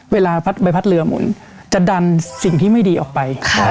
เวลาใบพัดเรือหมุนจะดันสิ่งที่ไม่ดีออกไป